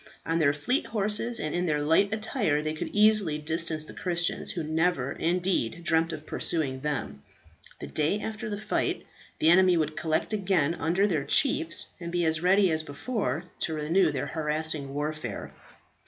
On their fleet horses and in their light attire they could easily distance the Christians, who never, indeed, dreamt of pursuing them. The day after the fight, the enemy would collect again under their chiefs, and be as ready as before to renew their harassing warfare.